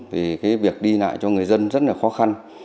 thì cái việc đi lại cho người dân rất là khó khăn